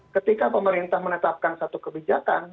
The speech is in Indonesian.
ketika pemerintah menetapkan satu kebijakan